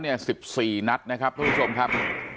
เนี่ย๑๔นัดนะครับทุกทุกชมครับ